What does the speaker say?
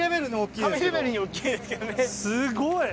すごい！